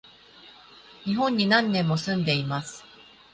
日本に何年も住んでます